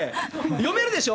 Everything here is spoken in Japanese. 読めるでしょ？